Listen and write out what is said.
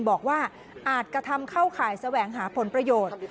อาจกระทำเข้าข่ายแสวงหาผลประโยชน์